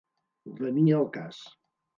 Venir al cas.